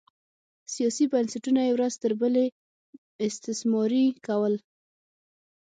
سیاسي بنسټونه یې ورځ تر بلې استثماري کول